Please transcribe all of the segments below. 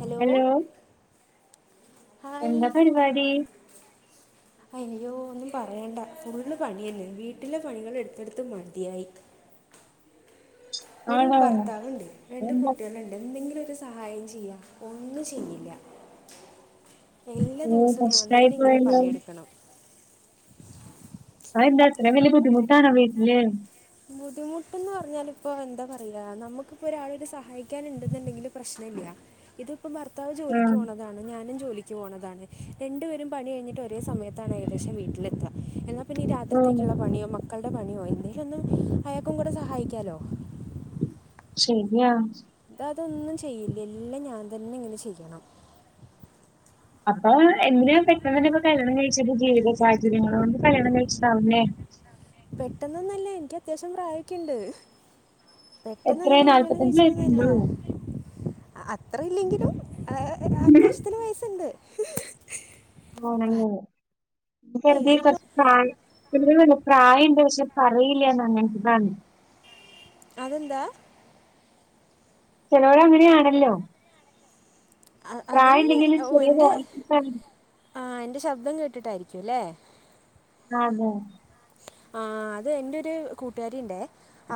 Hello hi എന്താ പരിപാടി അയ്യോ ഒന്നും പറയണ്ട ഫൂടുൽ പണി തന്നെ വീട്ടിലെ പണികൾ എടുത്തെടുത്ത് മതിയായി ഒരു ആണോ ഭർത്താവുണ്ട് രണ്ട് എന്താ കുട്ടികളുണ്ട് എന്തെങ്കിലും ഒരു സഹായം ചെയ്യുക ഒന്ന ചെയ്യില്ല എല്ലാ ഓ ദിവസം ഞാൻ ഫസ്റ്റായി തന്നെ ഇങ്ങനെ പോയല്ലോ പണിയെടുക്കണം. ആ എന്താത്രെ വല്ല്യ ബുധി മുട്ടാണോവീട്ടില്. ബുദ്ധിമുട്ട്ന്ന് പറഞാ ഇപ്പോ എന്താ പറയാ. നമുക്കിപ്പോ ഒരാളട് സഹായിക്കാൻ ഉണ്ടെന്നുണ്ടെങ്കില് പ്രശ്നല്ല. ഇതിപ്പോ ഭർത്താവ് ആ ജോലിക്ക് പോണതാണ്. ഞാനും ജോലിക്ക് പോണതാണ്. രണ്ട് പേരും പണി കഴിഞ്ഞിട്ട് ഒരേ സമയത്താണ് ഏകദേശം വീട്ടിലെത്ത. എന്നാ പിന്നെ ഈ ഓ രാത്രിത്തേക്കുള്ള പണിയ' മക്കളടെ പണിയോ എന്തേലൊന്ന് അയാക്കും കൂടെ സഹായിക്കാലോ? ശരിയാ ഇത്അതൊന്നും ചെയ്യില്ല. എല്ലാം ഞാൻ തന്നെ ഇങ്ങനെ ചെയ്യണം. അപ്പൊ എന്തിനാ പെട്ടെന്ന് തന്നെ പ്പോ കല്യാണം കഴിച്ച. ജീവിത സാഹചര്യങ്ങൾ കൊണ്ട് കല്യാണം കഴിച്ചതാവുലെ? പെട്ടെന്നൊന്നല്ല എനിക്ക് അത്യാശ്യം പ്രായക്കെയുണ്ട്. പെട്ടെന്ന് എത്രയാ അങ്ങനെ കല്യാണം നാല്പത്തഞ്ച് കഴിച്ച തൊന്നല്ല. വയസ്സുണ്ടോ അത്ര ഇല്ലെങ്കിലും അത്യാവശ്യത്തിന് വയസ്ണ്ട്. ണ്ട് [unintelligible] അപ്പ ഏയ് ഇതിപ്പോ [unintelligible] പ്ര [unintelligible] പ്രായംണ്ട് പക്ഷെ. പറയില്ല എന്ന. [unintelligible] അതെന്താ ചിലോര ങ്ങനെയാണല്ലോ അ- പ്രായ അതിന് ഇണ്ടെങ്കിലും ഓ ചെറിയ എൻ്റെ [unintelligible] ആ ന്റെ ശബ്ദം കേട്ടിട്ടായിരിക്കുംല്ലേ. ആന്നൊ. ആ അത് എന്റെരു കൂട്ടുകാരി ഉണ്ടേ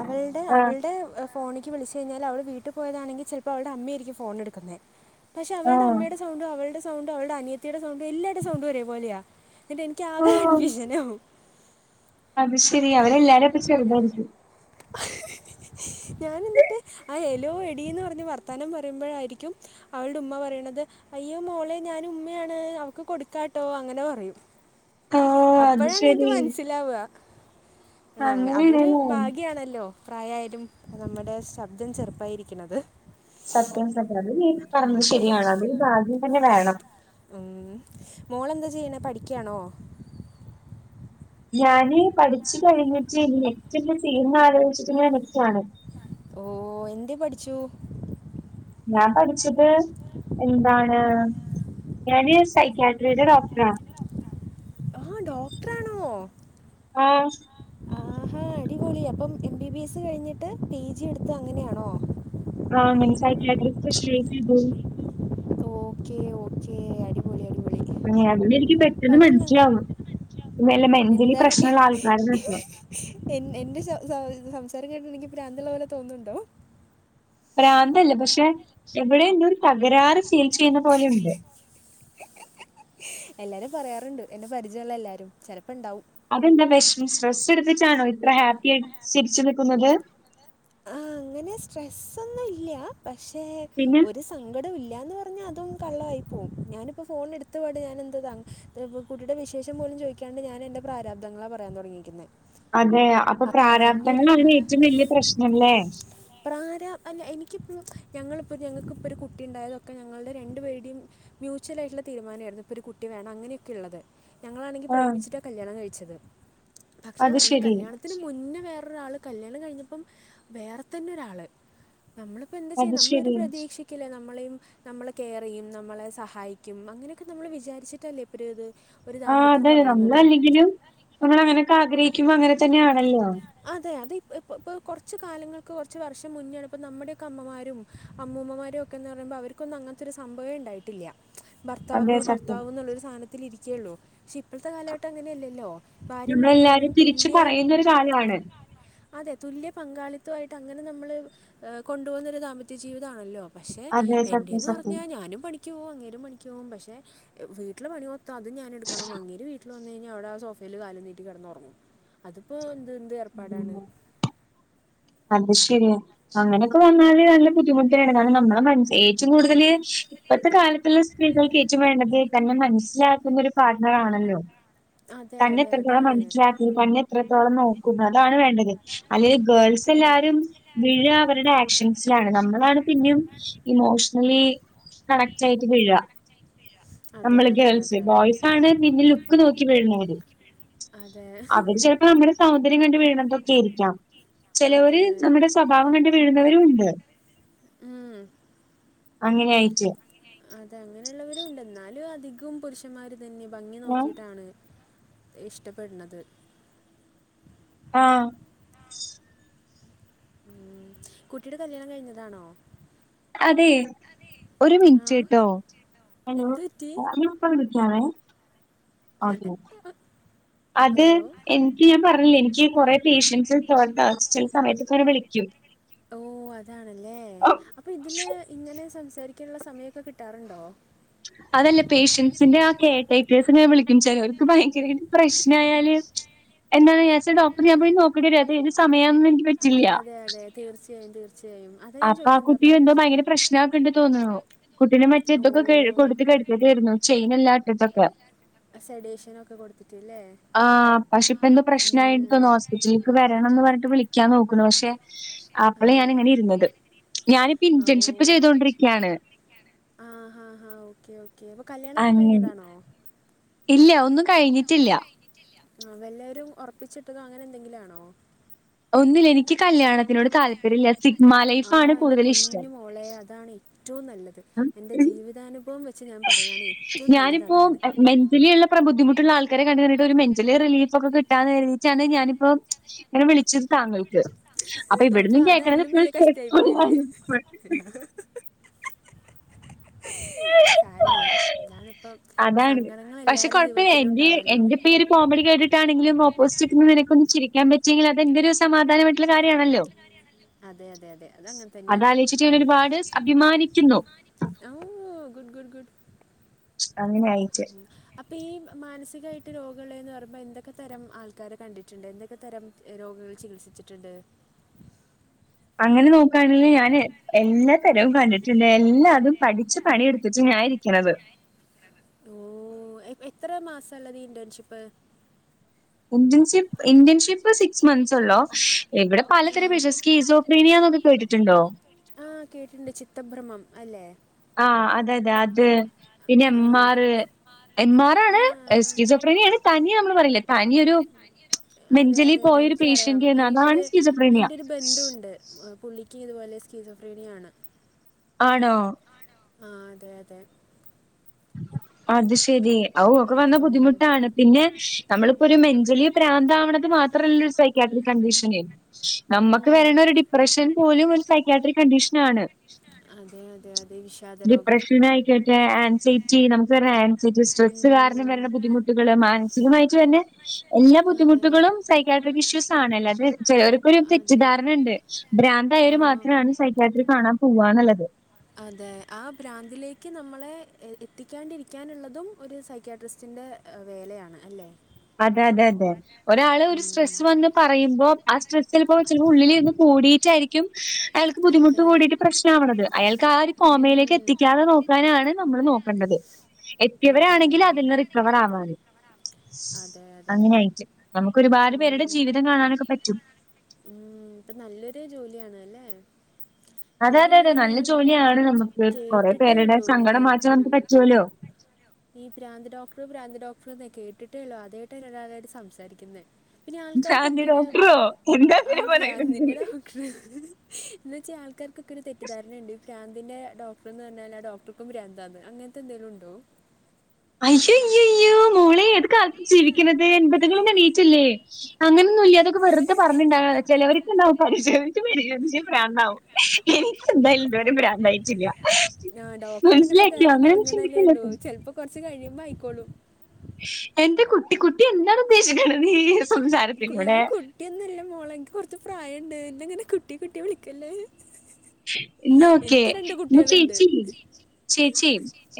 അവളുടെ അവളുടെ. ഫോണിക്ക് വിളിച്ച് കഴിഞ്ഞാൽ അവൾ വീട്ടിൽ പോയതാണെങ്കിൽ ചെലപ്പ അവളുടെ അമ്മയായിരിക്കും ഫോൺ എടുക്കുന്നെ. പക്ഷെ ആ അവളടെ അമ്മയുടെ.. ആ സൗണ്ടും അവളുടെ സൗണ്ടും അവളുടെ അനിയത്തിയുടെ സൗണ്ടും എല്ലാരുടെ സൗണ്ടും ഒരേ പോലെയാ. ന്നട്ട് എനിക്ക് ആകെ ഓ കൺഫ്യൂഷനാകും. അത് ശരി അവരെ എല്ലാരും അപ്പ ചെറുതായിരിക്കും ഞാനിന്നിട്ട് ആ എലോ എടി ന്ന് പറഞ്ഞ വർത്താനം പറയുമ്പഴായിരിക്കും. അവളുടെ ഉമ്മ പറയണത് അയ്യോ മോളെ ഞൻ ഉമ്മയാണ് അവക്ക് കൊടുക്കാട്ടോ. അങ്ങനെ പറയും ഓഹ് അത് അപ്പഴാണ് എനിക്ക് ശരി. മനസ്സിലാവ അതൊരു അങ്ങനെയാണല്ലേ. ഭാഗ്യാണല്ലോ. പ്രായായാലും നമ്മടെ ശബ്ദം ചെറുപ്പായിരിക്കണത്. സത്യം തന്നെയാണ്. അത് പറഞ്ഞത് ശരിയാണ് അതിൽ ഭാഗ്യം തന്നെ വേണം ഉം മോളെന്താ ചെയ്യണേ പഠിക്കാണോ? ഞാന് പഠിച്ചു കഴിഞ്ഞിട്ട് നെറ്റന്റെ സീമ ആലോചിച്ചിട്ടങ്ങനെനിക്കാണ്. ഓ എന്തെ പഠിച്ചു. ഞാൻ പഠിച്ചത് എന്താണ് ഞാന്. സൈക്യാട്രിയുടെ ഡോക്ടറാ. ആഹ ഡോക്ടറാണോ? ആഹ ആഹാ അടിപൊളി, അപ്പം എം ബി ബി എസ് കഴിഞ്ഞിട്ട് പി ജി എടുത്ത അങ്ങനെയാണോ. ആഹങ്ങനെ സൈക്ലാ്ര്പെഷ്യലി സിബു. [unintelligible] ഓക്കെ ഓക്കെ അടിപൊളിയടിപൊളി. അതെ അതിലെനിക്ക് പെട്ടെന്ന് മനസ്സിലാവും. പിന്ന നല്ല മെന്റലി പ്രശ്നമുള്ളൾക്കാരന്നക്കെ. എന്റെസ സ സംസാരം കേട്ടിട്ട് എനിക്ക് ഭ്രാന്തുള്ള പോലെ തോന്നുന്നുണ്ടോ പ്രാന്തല്ല പക്ഷെ എവിടെന്നരു തകരാറ് ഫീൽ ചെയ്യുന്ന പോലെയുണ്ട് എല്ലാരും പറയാറുണ്ട് എന്നെ പരിചയല്ല എല്ലാരും ചെലപ്പോ ണ്ടാവും അതെന്താ വിഷം സ്ട്രെസ്സ് എടുത്തിട്ടാണോ ഇത്ര ഹാപ്പി ആയി ചിരിച്ചു നിക്കുന്നത്. ആ അങ്ങനെ സ്ട്രെസന്നുല്ല പക്ഷെ പിന്നെ ഒരു സ്.. സങ്കടം ഇല്ലാന്ന് പറഞ്ഞാ അതും കള്ളായി പോകും ഞാനിപ്പോ ഫോൺ എടുത്തപാട് ഞാനെന്താ.. കുട്ടിയുടെ വിശേഷം പോലും ചോദിക്കാണ്ട് ഞാൻ എന്റെ പ്രാരബ്ധങ്ങളാ പറയാൻ തൊടങ്ങിയേക്കുന്ന. അതെ അപ്പൊ പ്രാരാബ്ദങ്ങളാണ് ഏറ്റവും വല്ല്യയ പ്രശ്നല്ലേ. പ്രാര അല്ല എനിക്കിപ്പോ ഞങ്ങളൾപ്പോൾ ഞങ്ങൾക്കിപ്പോൾ ഒരു കുട്ടിണ്ടായതൊക്കെ ഞങ്ങളുടെ രണ്ട് പേരുടിം. മ്യൂച്വൽ ആയിട്ടുള്ള തീരുമാനായിരുന്നു. ഇപ്പൊ ഒരു കുട്ടി വേണം അങ്ങനെയക്കെള്ളത്. ഞങ്ങളാണെങ്കി ആഹ് പ്രേമിച്ചിട്ടാ കല്യാണം കഴിച്ചത്. പക്ഷെ അത് ഈ ശരി കല്യാണത്തി ഒത്തിരി മുന്നേ വേറെരാൾ കല്യാണം കഴിന്നപ്പം വേരെ തന്നെ ഒരാൾ നമ്മൾ ഇപ്പോൾ എന്താ ചെയ്യ അത് നമ്മൾ ഒരു ശരി. പ്രതീക്ഷിക്കില്ല നമ്മളെയും നമ്മളെ കെയർ ചെയ്യും നമ്മളെ സഹായിക്കും അങ്ങനെയൊക്കെ നമ്മൾ വിചാരിച്ചിട്ടല്ലേ ഇപ്പ ഒരു ഇത് ഒരു ആ ദാമ്പത്യം അതെതെ നമ്മൾ തുടങ്ങുന്നത് അല്ലെങ്കിലും നമ്മൾ അങ്ങനെയൊക്കെ ആഗ്രഹിക്കുമ്പോ അങ്ങനെ തന്നെയാണല്ലോ അതെ അത ഇപ്പ ഇപ്പോൾ കുറച്ച് കാലങ്ങൾക്ക് കുറച്ച് വർഷം മുന്നോണ് ഇൾ നമ്മുടെയക്ക അമ്മമാരും അമ്മൂമ്മമാരും ഒക്കെന്ന് പറയുമ്പോൾ അവർക്ക് കൊന്നും അങ്ങനത്തെ ഒരു സംവംവേ ഉണ്ടായിട്ടില്ല ഭർത്താവ് അതെ സത്യം. ഭർത്താവ് എന്നുള്ളൊരു സാധനത്തിൽ ഇരിക്കുകുള്ളൂ പക്ഷെ ഇപ്പോഴത്തെ കാലഘട്ടം അങ്ങനെയല്ലല്ലോ ഭാര്യയും ഭർത്താവും തുല്യ വാല്യൂ ആണ് അതെ തുല്യ പങ്കാളിത്തമായിട്ട് അങ്ങനെ നമ്മൾ കൊണ്ടു പോകുന്നൊ രു ദാമ്പത്യ ജീവിതമാണല്ലോ പക്ഷേ അതെ സത്യം എൻ്റെന്ന് സത്യം. പറഞ്ഞാൽ ഞാനും പണിക്പോവും അങ്ങേരും പണിക് പോവും പക്ഷെ വീട്ടിലെ പണിമൊത്തം ക്കെ അതും ഞാൻ എടുക്കണം അങ്ങേർ വീട്ടിൽ വനെ കഴിഞ്ഞാൽ അ വിടെ ആ സോഫയിൽ കാലും നീട്ടി കിടന്നുറങ്ങു അതിപ്പോ എന്ത് എന്ത് ഏർപ്പാടാണ് ഉം അത് ശരിയ അങ്ങനെയൊക്കെ വന്നാല് നല്ല ബുദ്ധിമുട്ടണ് കാരണം നമ്മളെ മനസ് ഏറ്റവും കൂടുതല് ഇപ്പത്തെ കാലത്തുള്ള സ്ത്രീകൾക്ക് ഏറ്റവും വേണ്ടത് തന്നെ മനസ്സിലാക്ക കുനൊരു പാർട്ണർ ആണല്ലോ അതെ തന്നെ അതെ എത്രത്തോളം അതാണ് മനസ്സിലാകി തന്നെ എത്രത്തോളം നോക്കും അതാണ് വേണ്ടത് അല്ലെൽ അതെ ഗേൾസ്സല്ലാരും വിഴ അവരുടെ ആക്ഷൻസിലാണ് നമ്മളാണ് പിന്നെയും ഇമോഷണലി കണക്റ്റയിട്ട് പിഴ നമ്മള് അതെ ഗേൾസ് അതെ ബോയ്സ് ആണ് നഫിന്നെ ലുക്ക് നോക്കി വിയും അതെ അതെ അവര് ചിലപ്പോ നമ്മുടെ സൗന്ദര്യം കണ്ട് വീണതൊക്കെ ആയിരിക്കാം ചെലൊര് അതെ നമ്മടെ സ്വഭാവം കണ്ട് വീഴുന്നവരും ഉണ്ട് ഉം അങ്ങനെയിട്ട് അതെ അങ്ങനെയുള്ളവരുണ്ട് എന്നാലും അധികവും പുരുഷന്മാർ അതന്നെ ഭംഗി ഏഹ് നോക്കിയിട്ടാണ് ഇഷ്ടപ്പെടുന്നത് ആ ഉം കുട്ടിയുടെ കല്യാണം കഴിഞ്ഞതാണോ അതെ ഒരു ആ മിനിറ്റ് ട്ടോ എന്ത് പറ്റി ഹലോപ്പ വിളിക്കവേ ഓതെ അത് ഹലോ എനിക്ക് ഞാൻ പറഞ്ഞില്ലേ എനിക്ക് കൊറെപേഷ്യൻസിൽ [unintelligible] ഹോസ്പിറ്റൽ സമയത്തക്കെവിളിക്കും ഓ അതാണല്ലേ അപ്പോൾ ഇതിൽ ഇങ്ങനെ സംസാരിക്കാനുള്ള സമയൊക്കെ കിട്ടാറുണ്ടോ അതല്ല പേഷ്യൻസിന്റെ ആ കെയർടേക്കേഴ്സ് ഇങ്ങനെ വിളിക്കും ചിലവർക്ക് ഭയങ്കരമായി പ്രശ്ന ആയാല് എന്നാനാ വെച്ച ഡോക്ടർ ഞാൻപോയി നോക്കടി രതെ ഏതു സമയ [unintelligible] അതെ അതെ അതെ തീർച്ചയായും തീർച്ചയായും അതാ ഞാൻ അപ്പ ആ ചോദിക്കുന്നത് കുട്ടി അപ്പം എന്തോ ഭയങ്കര പ്രശ്നാ ക്ക്ണ്ട് തോന്ന്ണു കുട്ടിനെ മറ്റേ ഓ ഇതൊക്കെ കൊടുത്തിട്ട് എടുക്കേണ്ടിവെരും ചെയിൻല്ലാം ഇട്ടിട്ടൊക്കെ സെഡേഷൻ ഒക്കെ കൊടുത്തിട്ട് അല്ലേ ആ പക്ഷെ ഇപ്പ എന്ത് പ്രശ്നമായിട്ട് ഹോസ്പിറ്റൽ വരണം എന്ന് പറഞ്ഞിട്ട് വിളിക്കാൻ നോക്കുന്നു പക്ഷെ അപ്പളേ ഞാനിങ്ങനെ ഇരുന്നത് ഞാനിപ്പ ഇന്റേൺഷിപ്പ് ചെയ്തുകൊണ്ടിരിക്കുകയാണ് ആ ഹാ ഹാ ഓക്കെ ഓക്കെ അപ്പൊ കല്യാണൊക്കെ കഴിഞ്ഞതാണോ ഇല്ല്യ ഒന്നും കഴിഞ്ഞിട്ടില്ല കഴിഞ്ഞിട്ടില്ല വല്ലരും ഉറപ്പിച്ചിട്ടതെ അങ്ങനെ എന്തെങ്കിലും അണോ ഒന്നില്ല എനിക്ക് കല്യാണനോട് താല്പ വരില്ല സിക് മാൽ ആ എന്റെ പൊന്നു മോളെ അതാണ് ഏറ്റവും നല്ലത് എന്റെ ജീവിതാനുഭവം വെ ച്ച് ഞാൻ പറയാണ് റ്റവും നല്ലത് അതാണ് യുള്ള ബുദ്ധിമുട്ടുള്ള ആൾക്കാരെ കണ്ട് കഴിന്നിട്ട് ഒരു മെന്റാലി റിലീഫക്കെ കിട്ടാ എഴതിച്ചാണ് ഞാനിപ്പോ ഇങ്ങനെ വിളിച്ചത് താങ്കൾക്ക് അപ്പൊ അപ്പോൾ ഇവിടന്നും അത് കേൾക്കണ അതിലും ഫുൾ വലിയ കഷ്ടമായി പോയില്ലേ [unintelligible] സാരില്ല ഞാനിപ്പം അതാണ് പക്ഷെ കൊഴപ്പം ഇല്ല എന്റെ ഉണ്ടാവുമല്ലോ എന്റെ ഇപ്പൊ ഒരു കോമഡി കേട്ടിട്ടാണെങ്കിലും ഓ പോസ്റ്റനക്കൊന്ന് ചിരിക്കാ പറ്റെങ്കി അതെന്റൊരു സമാധാനമായിട്ടുള്ള കാര്യമാണല്ലോ അതെ അതെ അതെ അത് അങ്ങനെ തന്നെയാണ് അതാലോയ്ച്ചിറ്റ് ഞാനൊരുപാട് അഭിമാനിക്കുന്നു ഓഓ ഗുഡ് ഗുഡ് ഗുഡ് അങ്ങനായി അപ്പ ഈ മാനസികയിട്ട് രോഗോള്ളെന്ന് പറിമ്പൊ എന്തൊക്കെ തരം ആൾക്കാരെ കണ്ടിട്ട്ണ്ട് എന്തക്കെ തരം രോഗങ്ങൾ ചികിത്സിച്ചിട്ടുണ്ട് അങ്ങനെ നോക്കുകയാണെങ്കിൽ ഞാന് എല്ലാ തരവും കണ്ടിട്ടുണ്ട് എല്ലാതും പഠിച്ച് പണിയെടുത്തിട്ട് ഞാൻ ഇരിക്കണത് ഓഹ് എത്ര മാസാള്ളത് ഇന്റേൺഷിപ്പ് ഉബ്ജെൻഷിപ്പ് ഇന്റൻഷിപ്പ് ഇ സിക്സ് മന്ത്സ് ഉള്ളോ ഇവിടെ പലതരം പേഷൈന്റ് ഷീസോഫ്രീനിയാന്ന് ഒക്കെ കേട്ടിട്ടുണ്ടോ ആ കേട്ടിണ്ട് ചിത്തഭ്രമം അല്ലെ ആ അതതെ അത് പിന്നെ ആ എമ്മാറ് എന്മാറാണ് ഷിസ്രോഫീനിയാണ്. പനി നമ്മള് പറയില്ല പനിയൊരു അതെ അതെ അതെ എനിക്കറിയാം എന്ന് എന്റെ അതാണ് ഒരു സ്കീസോഫ്രീനിയ എന്റെ ഒരു ബന്ധുവുണ്ട് പുള്ളിക്ക് ഇതുപോലെ സ്കീസോഫ്രീനിയ ആണ് ആണോ ആഹ് അതെ അതെ അത് ശരി ഔ ഒക്കെ വന്ന ഉം. ബുദ്ധിമുട്ടാണ് പിന്നെ നമ്മളിപ്പോ ഒരു മെന്റലി പ്രാന്താവണത് മാത്രമല്ലരു സൈക്കാട്രിക് കണ്ടീഷൻ നമുക്ക് ഉം. വരണ ഒരു ഡിപ്രഷൻ പോലും ഒരു സൈക്കാട്രിക് കണ്ടീഷൻ ആണ് അതെ അതെ അതെ വിഷാദ രോഗം [inaudible] ആൻസൈറ്റി നമുക്ക് വരുന്ന ആൻസൈറ്റി ഉം. സ്ട്രെസ് കാരണം വരുന്ന ബുദ്ധിമുട്ടുകൾ മാ [unintelligible] തന്നെ എല്ലാ അതെ ബുദ്ധിമുട്ടുകളും സൈക്കാട്രിക് ഇശ്യൂസ് ആണ്. അല്ലാതെ ചിലർക്കൊരു അതെ തെറ്റിദ്ധാരണ ഉണ്ട് ആ പ്രാന്തായവര് രാവിലെ മാത്രമാണ് സൈക്കാട്രി കാണാൻ പോവ എന്നുള്ളത് അതെ ആ പ്രാന്തിലേക്കു നമ്മളെ എത്തിക്കാണ്ടിരിക്കാനുള്ളതും ഒരു സൈക്യാട്രിസ്റ്റിൻ്റെ അ വേലയാണ് അല്ലേ അതെ അതെ അതെ ഒരാള് ഒരു ഉം. സ്ട്രെസ്സ് വന്ന് പറയുമ്പോ ആ സ്ട്രെസ്സിൽ ഇപ്പൊ ചിലപ്പോ ഉള്ളിൽ ഇരുന്ന് കൂടിയിട്ടായിരിക്കും ക്കും അയാൾക്ക് അതെ ബുദ്ധിമുട്ട് കൂടിയിട്ട് പ്രശ്നാവണത് അയാൾക്ക് ആ ഒരു കോമയിലേക്ക് എത്തിക്കാതെ നോ [unintelligible] നമ്മൾ നോക്കേണ്ടത് അതെ അതെ എത്തിയവരാണെങ്കിലും അതെ അതിൽന്ന് റിക്കവർ ആവാനും അതെ അതെ അതെ അങ്ങനെയായിറ്റ് നമുക്ക് ഒരുപാട് ഉം. പേരുടെ ജീവിതം കാണാനൊക്കെ പറ്റും ഉം ഇപ്പൊ നല്ലൊരു ജോലിയാണ് അല്ലേ അതെ അതെ അതെ ഞാനിങ്ങനെ ഈ നല്ല ജോലിയാണ് നമുക്ക് കൊറേ കേട്ടിട്ടേ പേരുടെ ഉള്ളൂ സങ്കടം മാറ്റാൻ നമുക്ക് പറ്റല്ലോ നീ പ്രാന്ത് ഡോക്ടറ് പ്രാന്ത് ഡോക്ടറ്ന്ന് കേട്ടിട്ടേള്ളൂ ആദ്യായ്ട്ടാണ് ഒരാളായിട്ട് സംസാരിക്ക്ന്നെ പിന്നെ ഭ്രാന്തി ആൾക്കാര്ക്കൊക്കെര് ഡോക്ടറോ എന്താ അങ്ങനെ ആഹ് പ്രാ പറയണത്? നിന്നെ രാ ന്ന് വെച്ചാ ആൾക്കാര്ക്കൊക്കെര് തെറ്റിദ്ധാരണണ്ട് പ്രാന്ത്ൻ്റെ ഡോക്ടറ്ന്നർഞ്ഞാല് ആ ഡോക്ടർക്കും ഭ്രാന്താന്ന് അങ്ങൻത്തെന്തേലും ഉണ്ടോ അയ്യോ അയ്യയ്യോ മോളെ ഏത് ജീവിക്കുന്നത് എണ്പതുകൾന്ന് നീ ട്ടില്ലേ അങ്ങനെയൊന്നും ഇല്ല അതൊക്കെ വെറുതെ പറഞ്ഞുണ്ടായതാ ചിലവർണ്ടാവും പരിശോധിച്ചു പരിശോധിച്ച് പ്രാന്താവും എനിക്ക് എന്തായ്ലും ഇതുവരെ പ്രാന്തായിട്ടില്ല ആ ഡോക്ടർ പിന്നെ മനസില ഇപ്പോൾ കയറാൻ തുടങ്ങുന്നതല്ലേ ഉള്ളൂ ചിലപ്പോ കുറച്ച് കഴിയുമ്പോ ആയിക്കോളും എന്റെ കുട്ടി കുട്ടി എന്താണ് ഉദ്ദേശിക്കണ നീ ഈ സംസാരത്തിലൂടെ കുട്ടിയൊന്നുംല്ല മോളെ ഇനിക്ക് കുറച്ച് പ്രായണ്ട് എന്നങ്ങനെ കുട്ടി കുട്ടി വിളിക്കല്ലേ ന്ന ഓക്കെ എനിക്ക് രണ്ട് ഇന്നാ കുട്ടികളുണ്ട് ചേച്ചി ചേച്ചി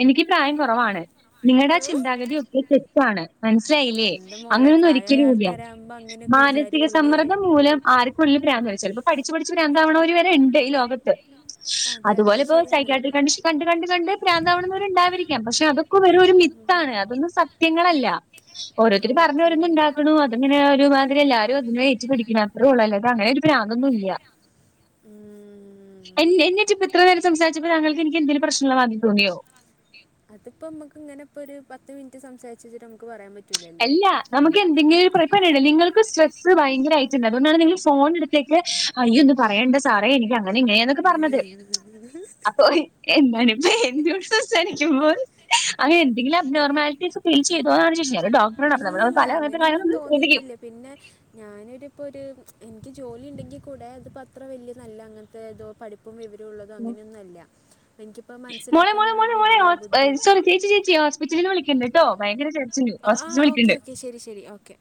എനിക്ക് പ്രായം കുറവാണ് നിങ്ങളുടെ ചിന്താഗതി ഒക്കെ തെറ്റാണ് മനസ്സിലായില്ലേ എന്റെ മോളെ അങ്ങനൊന്നും പ്രായമായ ഒരിക്കലും ഇല്ല ആൾക്കാരാകുമ്പോ അങ്ങനെയൊക്കെ മാനസിക വിചാരിക്കൂലേ സമ്മർദ്ദം മൂലം ആര് ഫുള്ള് പ്രന്തായ് ചെൽപ്പോ പഠിച്ച്ച് പഠിച്ച് പ്രാന്താവ്ണാേല് വരെ ഇണ്ട് ഈ ലോകത്ത് അതെ അതെ അതുപോലെ അത് ഇപ്പോ ശരിയാണ് സൈക്കാട്ട്രി കണ്ടീഷൻ കണ്ട് കണ്ട് കണ്ട് പ്രാന്താവ്ണത്‌വരെ ഇണ്ടാവായ്രിക്കാം പക്ഷെ അതൊക്കെ വെറും ഒരു മി താണ് അതൊന്നും സത്യങ്ങളല്ല ഓരോര്ത്തറ് ഓക്കെ പറഞ്ഞാേരോന്ന്ണ്ടാക്ക്ണൂ അ അതങ്ങനെ ഒരു മാതിരി എല്ലാവരും അത്‌നേ ഏറ്റ് പിടിക്ക്ണു അത്രോള്ളു അല്ലാതെ അങ്ങനെ ഒരു പ്രാന്തൊന്നും ഇല്ല ഉം എൻ എന്നെച്ച്പ്പ ഇത്ര നേരം സംസാരിച്ചപ്പോ താങ്കൾക്ക് എനിക്ക് എന്തേലും പ്രശ്നള്ളമാത് രി തോന്നിയോ അത്പ്പം മ്മക്ക് ഇങ്ങനെ പ്പാെര് പത്ത് മിൻറ്റ് സംസാരിച്ചിച്ച്ട്ട് നമുക്ക് പറയാൻ പ എല്ലാ നമുക്ക് എന്തെങ്കിലൊരു പ്ര [unintelligible] നിങ്ങൾക്ക് സ്ട്രെസ് ഭയരായ്ട്ട്ണ്ട് അത്കൊണ്ടാണ് നിങ്ങള് ഫോണെട്ത്തേക്ക് അയ്യൊന്നും പറയണ്ട സാറേ എനിക്ക് അങ്ങനെ ഇങ്ങനെയാന്നൊക്കെ പർഞ്ഞത് അപ്പൊ എന്താണ് ഇപ്പ എന്നോട് സംസാരിക്കുമ്പോൾ അങ്ങനെ എന്തങ്കിലും അബ്നോർമാലിറ്റീസ് ഫീൽ ചെയ്താേന്നാണ് ചോയ്ച്ചേ ഞാനൊര് ഡോ ഇല്ല നമ്മളവ [unintelligible] ഇല്ല തലയ അങ്ങനെയൊന്നും [unintelligible] ശ്രധിക്കും തോന്നിയിട്ടില്ല പിന്നെ ഞാനൊരിപ്പോ ഒരു ഫസ് എനിക്ക് ജോലി ഉണ്ടെങ്കി കൂടെ അതിപ്പോ അത്ര വലിയ നല്ല അങ്ങനത്തെതോ പഠിപ്പ ഠിപ്പും വിവരുംള്ളതോ അങ്ങനെയൊന്നും അല്ല പ്പൻക്കിപ്പം മോളെ മോളെ മൻസ്സിലാക്കാനുള്ളൊരു മോളെ മോളെ വിവരോ ബുദ്ധിയോ സോറി ചേച്ചി ചേച്ചീ ഹോസ്പിറ്റലിൽന്ന് വിളിക്ക്ണ്ട്ട്ടോ ഭയങ്കര ചെ ആഹ് ഓക്കെ ഓക്കെ ശെരി ശെരി ഓക്കെ